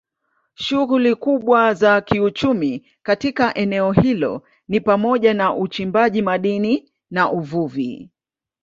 Shughuli kubwa za kiuchumi katika eneo hilo ni pamoja na uchimbaji madini na uvuvi.